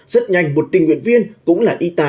rất nhanh một tỉnh nguyên viên cũng là y tá